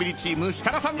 ・設楽さん！